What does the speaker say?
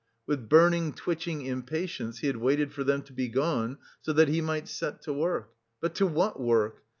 With burning, twitching impatience he had waited for them to be gone so that he might set to work. But to what work?